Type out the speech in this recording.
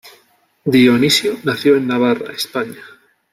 Dionisio nació en Navarra, España.